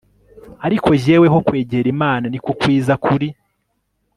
ariko jyeweho kwegera imana ni ko kwiza kuri